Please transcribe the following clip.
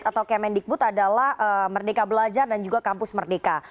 atau kemendikbud adalah merdeka belajar dan juga kampus merdeka